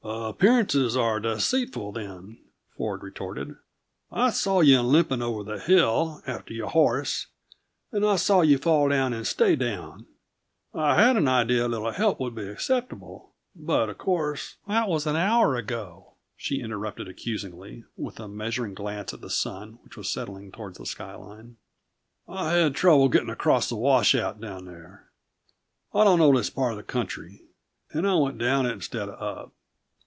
"Appearances are deceitful, then," Ford retorted. "I saw you limping over the hill, after your horse, and I saw you fall down and stay down. I had an idea that a little help would be acceptable, but of course " "That was an hour ago," she interrupted accusingly, with a measuring glance at the sun, which was settling toward the sky line. "I had trouble getting across that washout down there. I don't know this part of the country, and I went down it instead of up.